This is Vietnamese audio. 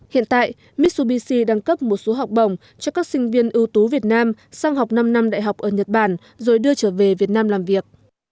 hiện tại mitsubishi đang cấp một số học bổng cho các sinh viên ưu tú việt nam sang học năm năm đại học ở nhật bản rồi đưa trở về việt nam làm việc